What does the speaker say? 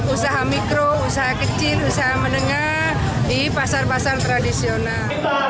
usaha mikro usaha kecil usaha menengah di pasar pasar tradisional